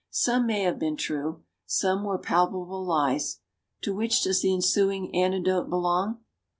Some may have been true. Some were palpable lies. To which does the ensuing anecdote belong?